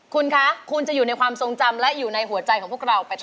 คุณคะคุณจะอยู่ในความทรงจำและอยู่ในหัวใจของพวกเรา